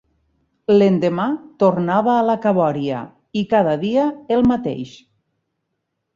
L'endemà tornava a la cabòria, i cada dia el mateix.